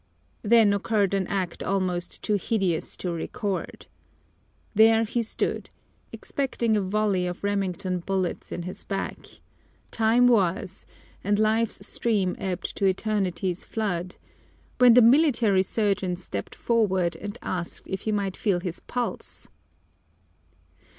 Then occurred an act almost too hideous to record. There he stood, expecting a volley of Remington bullets in his back Time was, and Life's stream ebbed to Eternity's flood when the military surgeon stepped forward and asked if he might feel his pulse!